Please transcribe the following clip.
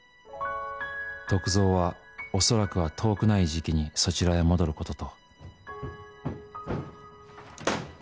「篤蔵は恐らくは遠くない時期にそちらへ戻ることと」